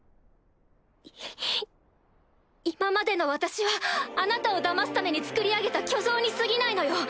い今までの私はあなたをだますためにつくり上げた虚像にすぎないのよ。